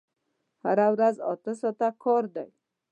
هره ورځ اته ساعته کار دی!